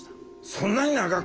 そんなに長く？